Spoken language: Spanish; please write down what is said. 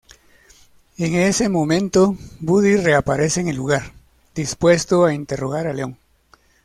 En ese momento, Buddy reaparece en el lugar, dispuesto a interrogar a Leon.